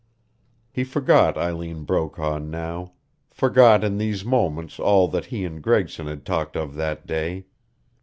He forgot Eileen Brokaw now, forgot in these moments all that he and Gregson had talked of that day.